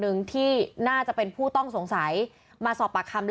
หนึ่งที่น่าจะเป็นผู้ต้องสงสัยมาสอบปากคำ